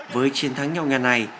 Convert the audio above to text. với chiến thắng nhau ngàn này